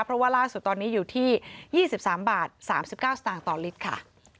เพราะว่าล่าสุดตอนนี้อยู่ที่๒๓บาท๓๙สตางค์ต่อลิตรค่ะ